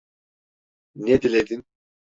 Ne diledin?